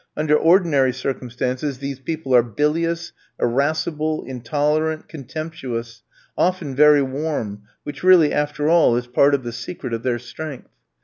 Under ordinary circumstances these people are bilious, irascible, intolerant, contemptuous, often very warm, which really after all is part of the secret of their strength.